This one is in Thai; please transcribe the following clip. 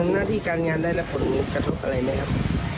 หน้าที่การงานได้รับผลกระทบอะไรไหมครับ